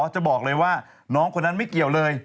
จะบอกเลยว่าน้องคนนั้นไม่เกี่ยวเลย